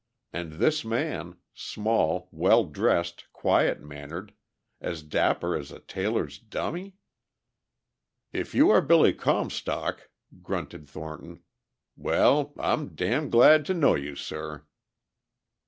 And this man, small, well dressed, quiet mannered, as dapper as a tailor's dummy.... "If you are Billy Comstock," grunted Thornton, "well, I'm damn' glad to know you, sir!"